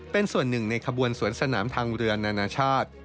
เป็นส่วนหนึ่งในขบวนสวนสนามทางเรือนานาชาติ